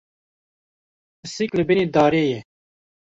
Pisîk li binê darê ye.